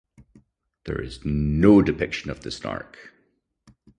There is no depiction of the Snark.